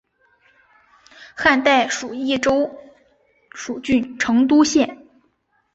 汉代属益州蜀郡成都县。